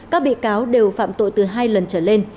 các bị cáo đều phạm tội từ hai lần trở lên